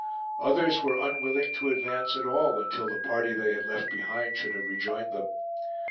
Others were unwilling to advance at all until the party they had left behind should have rejoined them.